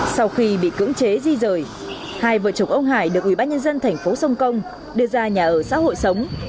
sau khi bị cưỡng chế di rời hai vợ chồng ông hải được ủy ban nhân dân thành phố sông công đưa ra nhà ở xã hội sống